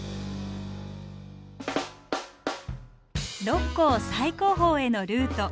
六甲最高峰へのルート。